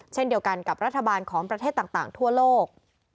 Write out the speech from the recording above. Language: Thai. เช่นเดียวกันกับรัฐบาลของประเทศต่างทั่วโลก